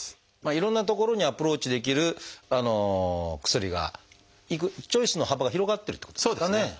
いろんなところにアプローチできる薬がチョイスの幅が広がってるってことですかね。